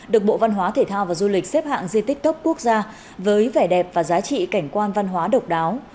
được bộ văn hóa thể thao và du lịch xếp hạng di tích cấp quốc gia với vẻ đẹp và giá trị cảnh quan văn hóa độc đáo